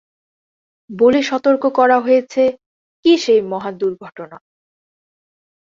বলে সতর্ক করা হয়েছে: ‘কী সেই মহা দুর্ঘটনা?